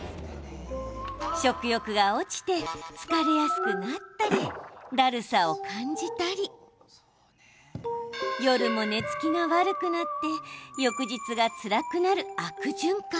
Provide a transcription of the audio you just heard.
食欲が落ちて疲れやすくなったりだるさを感じたり夜も寝つきが悪くなって翌日がつらくなる悪循環。